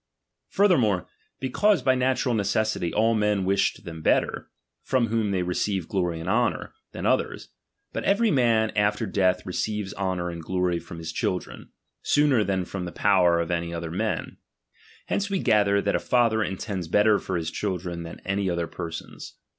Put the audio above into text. Furthermore, because by natural necessity Ami sow omf all men wish them better, from whom they receive glory and honour, than others ; but every man after death receives honour and glory from his children, sooner than from the power of any other men : hence we gather, that a father intends bet ter for his children than any other person's.